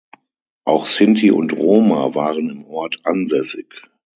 Auch Sinti und Roma waren im Ort ansässig.